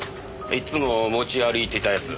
いつも持ち歩いてたやつ。